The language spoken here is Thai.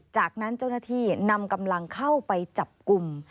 จากนั้นเจ้าหน้าที่นำกำลังเข้าไปจับกลุ่ม